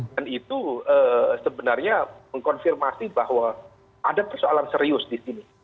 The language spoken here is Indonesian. dan itu sebenarnya mengkonfirmasi bahwa ada persoalan serius di sini